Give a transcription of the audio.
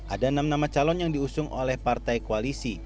ada enam nama calon yang diusung oleh partai koalisi